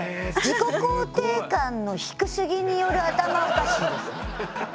自己肯定感の低すぎによる頭おかしいですね。